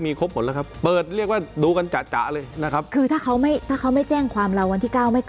ไม่ใช่เรื่องเรือดำน้ำเรื่องเดียวน่ะ